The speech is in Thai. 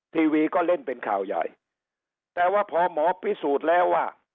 ทีวีก็เล่นเป็นข่าวใหญ่แต่ว่าพอหมอพิสูจน์แล้วว่า